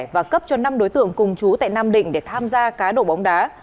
và cấp cho năm đối tượng cùng chú tại nam định để tham gia cá độ bóng đá